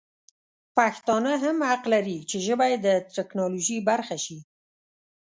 پښتانه هم حق لري چې ژبه یې د ټکنالوژي برخه شي.